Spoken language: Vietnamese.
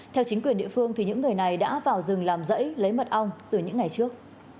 theo chính quyền địa phương những người này đã vào rừng làm rẫy lấy mật ong từ những ngày trước